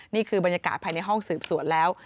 นี่คือบรรยากาศภายในห้องสืบสวนแล้ว